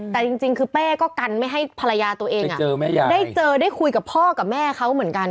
แต่จริงคือเป้ก็กันไม่ให้ภรรยาตัวเองได้เจอได้คุยกับพ่อกับแม่เขาเหมือนกัน